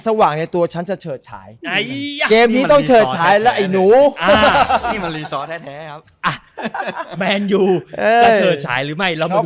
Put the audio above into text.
สว่างในตัวฉันจะเฉิดฉายเขาไล่นู้อ่ะแมนยูใช่หรือไม่ว่า